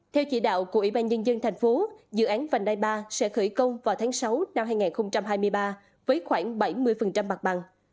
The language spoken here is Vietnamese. theo chỉ đạo của ủy ban nhân dân thành phố dự án vành đai ba sẽ khởi công vào tháng sáu năm hai nghìn hai mươi ba với khoảng bảy mươi mặt bằng